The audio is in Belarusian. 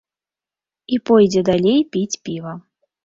І пойдзе далей піць піва.